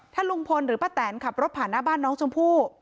ถ้าลุงพลหรือป้าแตนขับรถผ่านหน้าบ้านน้องชมพู่